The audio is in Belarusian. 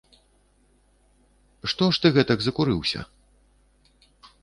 Што ж ты гэтак закурыўся?